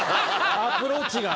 アプローチが。